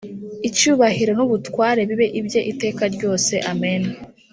icyubahiro n’ubutware bibe ibye iteka ryose, Amen.